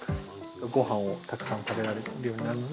ごはんをたくさん食べられるようになるので